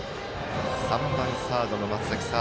３番サードの松崎。